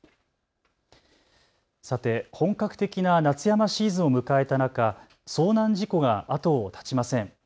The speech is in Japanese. さて、本格的な夏山シーズンを迎えた中、遭難事故が後を絶ちません。